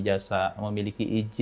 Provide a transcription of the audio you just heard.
jaringan yang disediakan oleh bakti